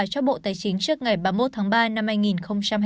cho bộ tài chính trước ngày ba mươi một tháng ba năm hai nghìn hai mươi